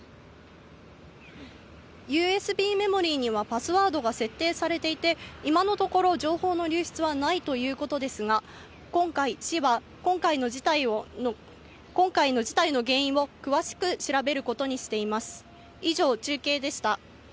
ＵＳＢメモリーにはパスワードが設定されていて、今のところ、情報の流出はないということですが、今回、市は今回の事態の原因を詳しく調べることにしています。